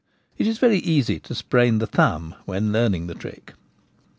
It is very easy to sprain the thumb while learning the trick.